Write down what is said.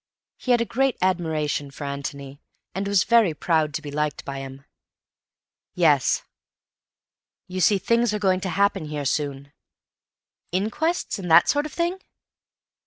He had a great admiration for Antony, and was very proud to be liked by him. "Yes. You see, things are going to happen here soon." "Inquests and that sort of thing?"